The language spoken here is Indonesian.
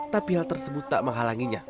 tapi hal tersebut tak menghalanginya